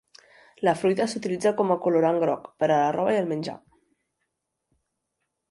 La fruita s'utilitza com a colorant groc, per a la roba i el menjar.